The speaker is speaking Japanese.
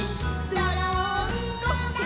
「どろんこ！」